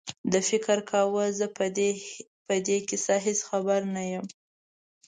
ده فکر کاوه زه په دې کیسه هېڅ خبر نه یم.